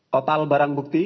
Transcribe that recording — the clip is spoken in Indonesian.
total barang bukti